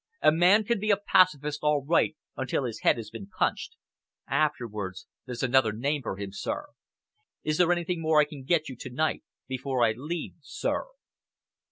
A man can be a pacifist all right until his head has been punched. Afterwards, there's another name for him. Is there anything more I can get you to night before I leave, sir?"